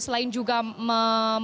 selain juga membangun